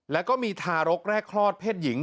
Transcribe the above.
แล้วก็มีทารกแรกคลอดเพศหญิง